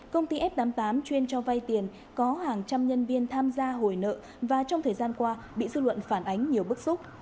công ty f tám mươi tám chuyên cho vay tiền có hàng trăm nhân viên tham gia hồi nợ và trong thời gian qua bị dư luận phản ánh nhiều bức xúc